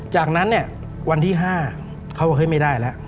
จากนั้นวันที่๕เขาก็เคยไม่ได้แล้ว